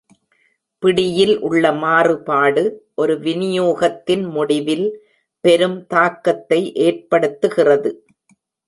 பிடியில் உள்ள மாறுபாடு, ஒரு விநியோகத்தின் முடிவில் பெரும் தாக்கத்தை ஏற்படுத்துகிறது.